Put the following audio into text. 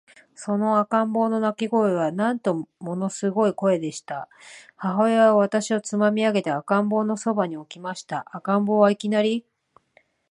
その赤ん坊の泣声は、なんとももの凄い声でした。母親は私をつまみ上げて、赤ん坊の傍に置きました。赤ん坊は、いきなり、